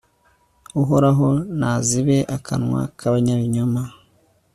uhoraho nazibe akanwa k'abanyabinyoma